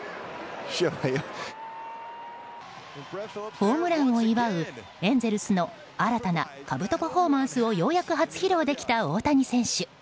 ホームランを祝うエンゼルスの新たな、かぶとパフォーマンスをようやく初披露できた大谷選手。